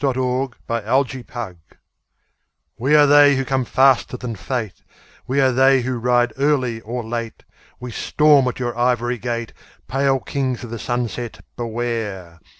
WAR SONG OF THE SARACENS We are they who come faster than fate: we are they who ride early or late: We storm at your ivory gate: Pale Kings of the Sunset, beware!